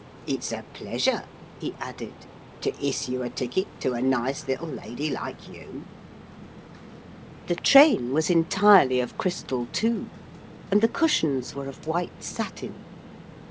It's a pleasure,' he added, 'to issue a ticket to a nice little lady like you.' The train was entirely of crystal, too, and the cushions were of white satin.